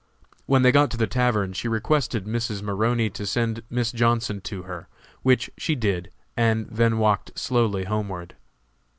When they got to the tavern she requested Mrs. Maroney to send Miss Johnson to her, which she did, and then walked slowly homeward.